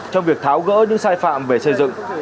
trong việc tháo gỡ những sai phạm về xây dựng